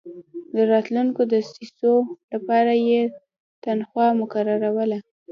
د راتلونکو دسیسو لپاره یې تنخوا مقرروله.